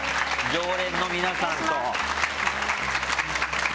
常連の皆さんと。